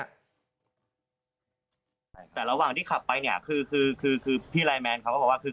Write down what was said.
แต่ระหว่างที่ขับไปเนี่ยคือคือพี่ไลน์แมนเขาก็บอกว่าคือ